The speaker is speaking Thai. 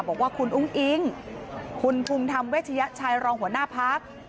บอกว่าคุณอุ้งอิงคุณภูมิธรรมเวชยชัยรองหัวหน้าพัก